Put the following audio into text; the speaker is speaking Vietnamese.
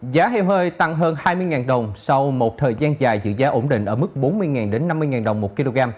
giá heo hơi tăng hơn hai mươi đồng sau một thời gian dài giữ giá ổn định ở mức bốn mươi năm mươi đồng một kg